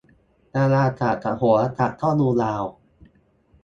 ดาราศาสตร์กับโหราศาสตร์ก็ดูดาว